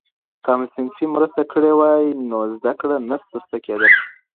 که همصنفي مرسته کړې وای نو زده کړه نه سسته کېدل.